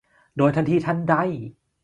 โดยทันทีทันใด